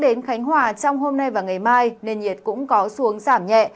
đến khánh hòa trong hôm nay và ngày mai nền nhiệt cũng có xu hướng giảm nhẹ